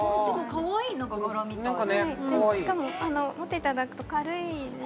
かわいい柄みたいでしかも持っていただくと軽いんです